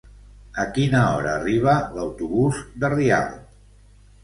A quina hora arriba l'autobús de Rialp?